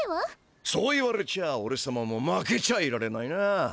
そう言われちゃおれさまも負けちゃいられないな。